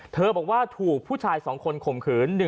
บอกว่าถูกผู้ชาย๒คนข่มขืน